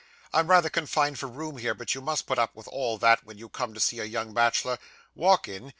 'I'm rather confined for room here, but you must put up with all that, when you come to see a young bachelor. Walk in.